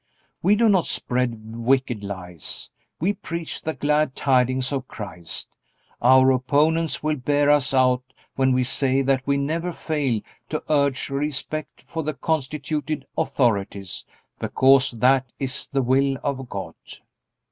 We do not spread wicked lies. We preach the glad tidings of Christ. Our opponents will bear us out when we say that we never fail to urge respect for the constituted authorities, because that is the will of God.